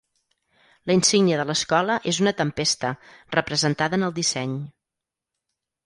La insígnia de l'escola és una tempesta, representada en el disseny.